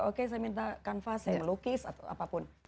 oke saya minta kanva saya melukis atau apapun